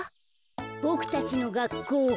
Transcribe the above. ボクたちのがっこう。